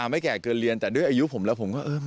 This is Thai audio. ไม่แก่เกินเรียนแต่ด้วยอายุผมแล้ว